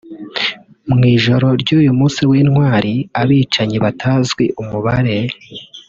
Mu ijoro ry’umunsi w’intwali abicanyi batazwi umubare